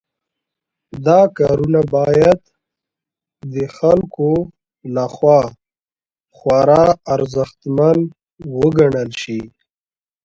دا کارونه باید د خلکو لخوا خورا ارزښتمن وګڼل شي.